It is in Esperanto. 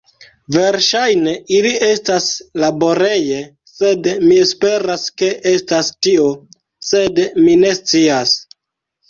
Verŝajne ili estas laboreje, sed mi esperas ke estas tio, sed mi ne scias.